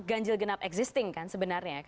ganjil genap existing kan sebenarnya